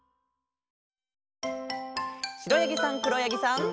しろやぎさんくろやぎさん。